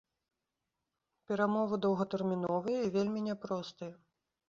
Перамовы доўгатэрміновыя і вельмі няпростыя.